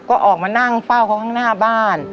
ก็ออกมานั่งเฝ้าเขาข้างหน้าบ้าน